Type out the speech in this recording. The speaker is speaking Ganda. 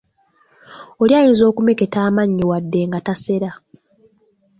Oli ayinza okumeketa amannyo wadde nga tasera.